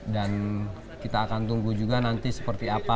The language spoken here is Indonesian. dan kita akan tunggu juga nanti seperti apa